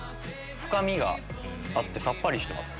深みがあってさっぱりしてます。